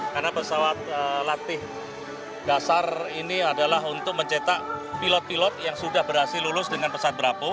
karena pesawat latih dasar ini adalah untuk mencetak pilot pilot yang sudah berhasil lulus dengan pesawat bravo